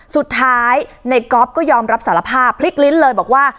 สุดท้ายในก๊อฟก็ยอมรับสารภาพพลิกลิ้นเลยบอกว่า